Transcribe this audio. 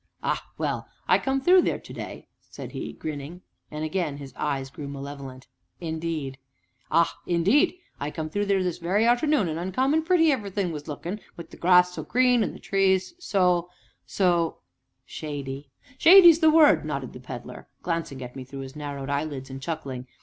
"Ah, well! I come through there today," said he, grinning, and again his eyes grew malevolent. "Indeed?" "Ah! indeed! I come through this 'ere very arternoon, and uncommon pretty everythin' was lookin', wi' the grass so green, and the trees so so " "Shady." "Shady's the word!" nodded the Pedler, glancing up at me through his narrowed eyelids, and chuckling.